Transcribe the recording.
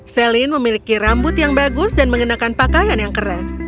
celine memiliki rambut yang bagus dan mengenakan pakaian yang keren